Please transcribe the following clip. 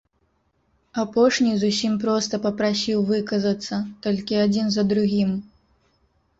Апошні зусім проста папрасіў выказацца, толькі адзін за другім.